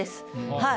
はい。